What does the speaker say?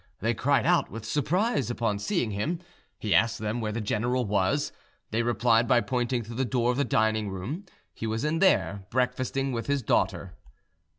They cried out with surprise upon seeing him: he asked them where the general was; they replied by pointing to the door of the dining room; he was in there, breakfasting with his daughter.